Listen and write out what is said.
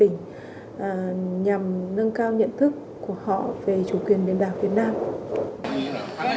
nhằm nâng cao nhận thức của họ về chủ quyền biển đảo việt nam